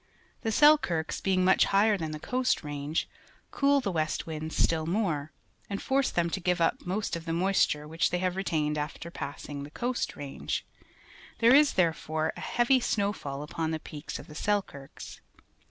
The Selkirks, being much higher than the Coast Range, cool the west winds still more, and force them to give up most of the moisture which they have retained after passing the Coast Range. There is, therefore, a heavy snowfall upon the peaks of the Selkirks.